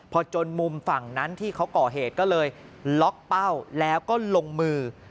พอจนมุมฝั่งนั้นที่เขาก่อเหตุก็เลยล็อกเป้าแล้วก็ลงมือ